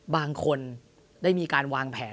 บางคนได้มีการวางแผน